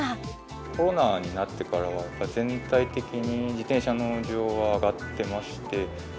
コロナになってから、全体的に自転車の需要は上がってまして。